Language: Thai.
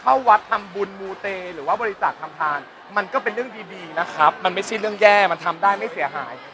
แล้วหนูไม่เชื่อป่ะอะไรเรื่องจริงด้วยฮะ